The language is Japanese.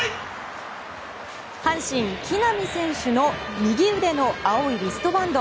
阪神、木浪選手の右腕の青いリストバンド。